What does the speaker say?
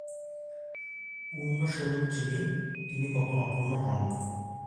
পূর্ণস্বরূপ যিনি, তিনি কখনও অপূর্ণ হন না।